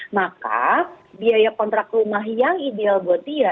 maka biaya kontrak rumah yang ideal buat dia